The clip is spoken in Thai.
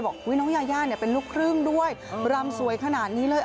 บอกน้องยาย่าเป็นลูกครึ่งด้วยรำสวยขนาดนี้เลย